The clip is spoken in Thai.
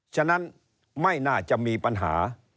ฉะนั้นไม่น่าจะมีปัญหา